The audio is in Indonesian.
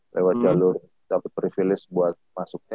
lewat jalur dapat privilege buat masuknya